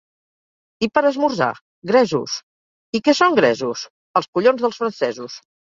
I per esmorzar? —Gresos! —I què són gresos? —Els collons dels francesos!